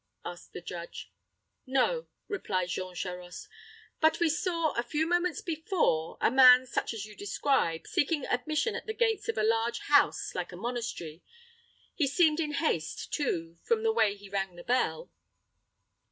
asked the judge. "No," replied Jean Charost; "but we saw, a few moments before, a man such as you describe, seeking admission at the gates of a large house like a monastery. He seemed in haste, too, from the way he rang the bell."